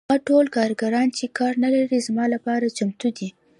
هغه ټول کارګران چې کار نلري زما لپاره چمتو دي